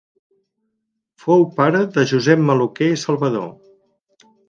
Fou pare de Josep Maluquer i Salvador.